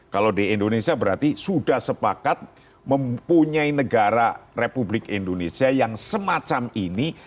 kalau di indonesia berarti sudah sepakat mempunyai negara republik indonesia yang semacam ini